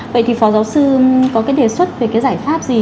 vậy thì phó giáo sư có cái đề xuất về cái giải pháp gì